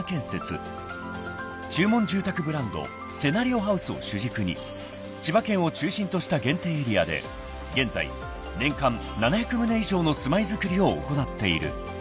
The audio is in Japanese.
［注文住宅ブランド「セナリオハウス」を主軸に千葉県を中心とした限定エリアで現在年間７００棟以上の住まいづくりを行っている］